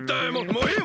もういい！